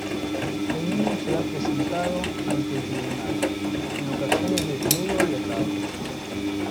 El niño será presentado ante el tribunal, en ocasiones desnudo y atado.